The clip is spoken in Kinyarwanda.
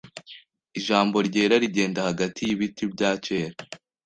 Ijambo ryera Rigenda hagati yibiti bya kera